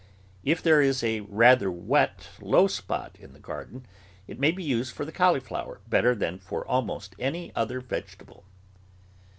If there is a rather wet, low spot in the garden, it may be used for the cauliflower better than for almost any other vegetable.